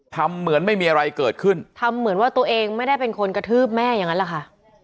ทำเหมือนไม่มีอะไรเกิดขึ้นทำเหมือนว่าตัวเองไม่ได้เป็นคนกระทืบแม่อย่างนั้นแหละค่ะ